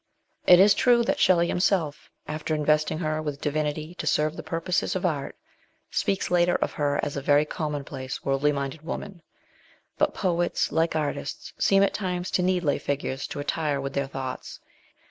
It is true that Shelley himself, after investing her with divinity to serve the purposes of art, speaks later of her as a very commonplace worldly minded woman ; but poets, like artists, seem at times to need lay figures to attire with their thoughts.